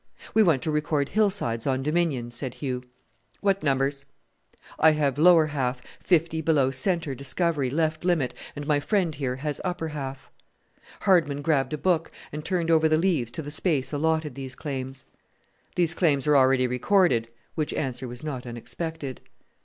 "We want to record hillsides on Dominion," said Hugh. "What numbers?" "I have lower half, fifty below centre discovery, left limit, and my friend here has upper half." Hardman grabbed a book and turned over the leaves to the space allotted these claims. "These claims are already recorded," which answer was not unexpected.